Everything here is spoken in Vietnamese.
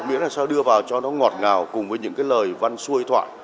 nghĩa là sao đưa vào cho nó ngọt ngào cùng với những cái lời văn xuôi thoại